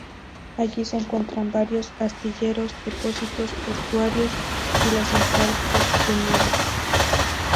Allí se encuentran varios astilleros, depósitos portuarios y la Central Costanera.